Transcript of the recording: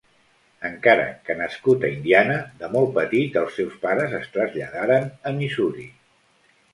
Encara que nascut a Indiana de molt petit els seus pares es traslladaren a Missouri.